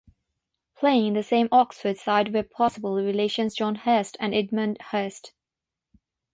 Playing in the same Oxford side were possible relations John Hurst and Edmund Hurst.